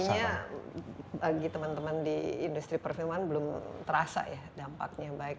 jadi pada intinya bagi teman teman di industri perfilman belum terasa ya dampaknya baik